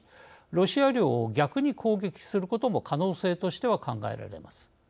ロシア領を逆に攻撃することも可能性としては考えられます。